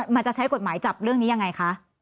มันจะใช้กฎหมายจับเรื่องนี้ยังไงคะ